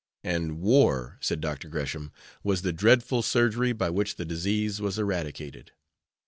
"And war," said Dr. Gresham, "was the dreadful surgery by which the disease was eradicated.